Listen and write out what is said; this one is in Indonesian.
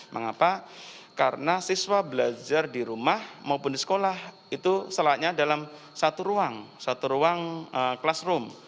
mengapa karena siswa belajar di rumah maupun di sekolah itu selatnya dalam satu ruang satu ruang kelas room